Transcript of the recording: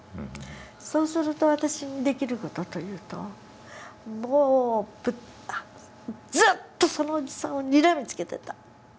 そうすると私にできる事というともうずっとそのおじさんをにらみつけてた。